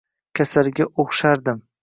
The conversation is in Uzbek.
Kasalga o`xshardim